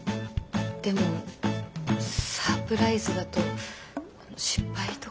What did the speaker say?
でもサプライズだと失敗とかしたら。